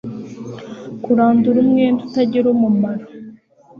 Kurandura umwenda utagira umumaro